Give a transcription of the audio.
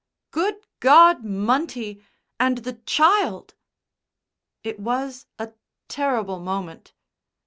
"Good God, Munty and the child!" It was a terrible moment.